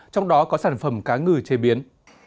trong đó có sản phẩm cá ngừ chế biến